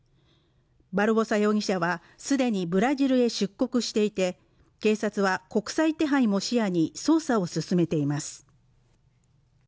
バルボサ容疑者はすでにブラジルへ出国していて警察は国際手配も視野に捜査を進めています